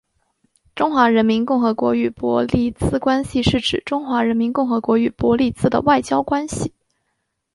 中华人民共和国与伯利兹关系是指中华人民共和国与伯利兹的外交关系。